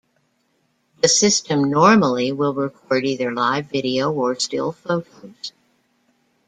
The system normally will record either live video or still photos.